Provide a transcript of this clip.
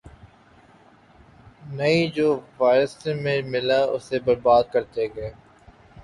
نہیں‘ جو وراثت میں ملا اسے بربادکرتے گئے۔